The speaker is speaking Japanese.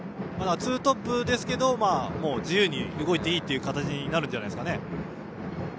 ツートップですけど自由に動いていい形になるんじゃないですか。